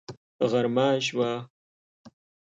غرمه شوه